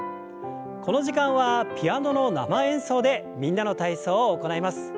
この時間はピアノの生演奏で「みんなの体操」を行います。